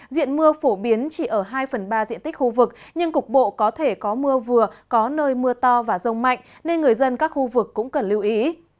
diện mưa phổ biến chỉ ở hai phần ba diện tích khu vực nhưng cục bộ có thể có mưa vừa có nơi mưa to và rông mạnh nên người dân các khu vực cũng cần lưu ý